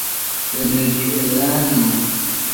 venezuelano